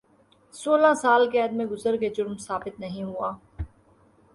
سولہ سال قید میں گزر گئے جرم ثابت نہیں ہوا